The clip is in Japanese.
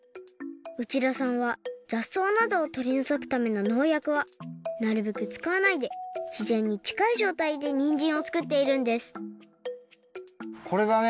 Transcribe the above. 内田さんはざっそうなどをとりのぞくためののうやくはなるべくつかわないでしぜんにちかいじょうたいでにんじんをつくっているんですこれがね